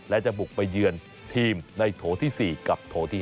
และจะบุกไปเยือนทีมในโถที่๔กับโถที่๕